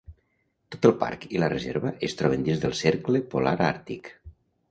Tot el parc i la reserva es troben dins del Cercle Polar Àrtic.